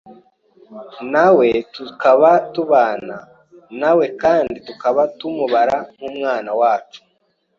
nawe tukaba tubana nawe kandi tukaba tumubara nk’umwana wacu.